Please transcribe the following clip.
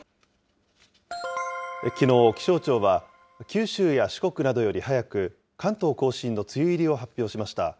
きのう、気象庁は九州や四国などより早く、関東甲信の梅雨入りを発表しました。